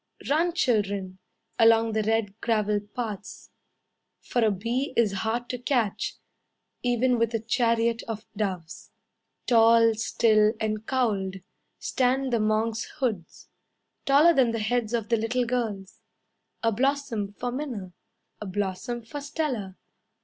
Run, children, Along the red gravel paths, For a bee is hard to catch, Even with a chariot of doves. Tall, still, and cowled, Stand the monk's hoods; Taller than the heads of the little girls. A blossom for Minna. A blossom for Stella.